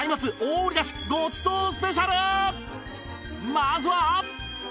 まずは